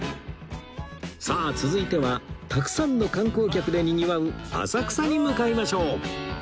さあ続いてはたくさんの観光客で賑わう浅草に向かいましょう